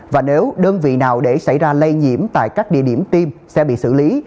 và nếu đơn vị nào để xảy ra lây nhiễm tại các địa điểm tiêm sẽ bị xử lý